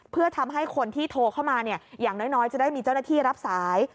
เพื่อทำให้คนที่โทรเข้ามาอย่างน้อยจะได้มีเจ้าหน้าที่รับสาย